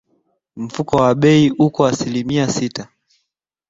Mfumuko wa bei uko asilimia sita.